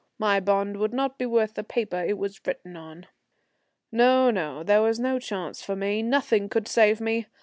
My bond would not be worth the paper it was written on. No, no, there was no chance for me; nothing could save me.